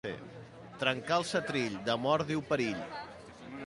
Trencar el setrill, de mort diu perill.